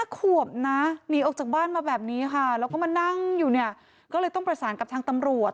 ขวบนะหนีออกจากบ้านมาแบบนี้ค่ะแล้วก็มานั่งอยู่เนี่ยก็เลยต้องประสานกับทางตำรวจ